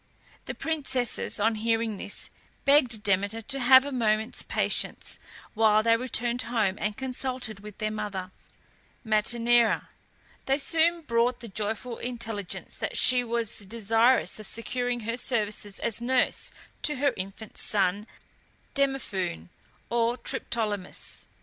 The princesses, on hearing this, begged Demeter to have a moment's patience while they returned home and consulted their mother, Metaneira. They soon brought the joyful intelligence that she was desirous of securing her services as nurse to her infant son Demophoon, or Triptolemus.